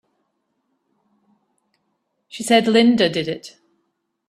She said Linda did it!